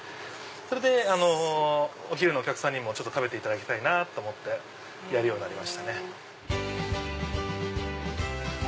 それでお昼のお客さんにも食べていただきたいなと思ってやるようになりましたね。